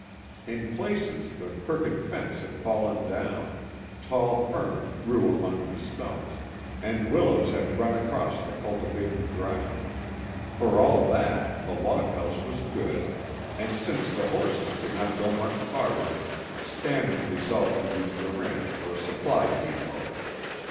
In places the crooked fence had fallen down, tall fern grew among the stumps, and willows had run across the cultivated ground. For all that, the loghouse was good, and since the horses could not go much farther, Stannard resolved to use the ranch for a supply depot.